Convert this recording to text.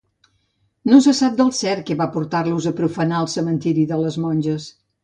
No se sap del cert què va portar-los a profanar el cementiri de les monges.